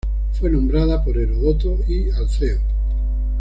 Fue nombrada por Heródoto y Alceo.